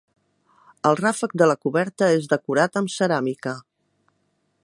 El ràfec de la coberta és decorat amb ceràmica.